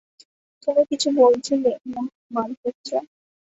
তুমি কিছু বলছিলে, মালহোত্রা?